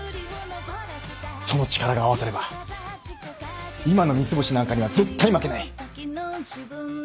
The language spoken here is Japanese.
その力が合わされば今の三ツ星なんかには絶対負けない。